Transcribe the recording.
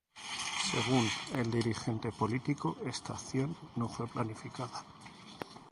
Según el dirigente político esta acción no fue planificada.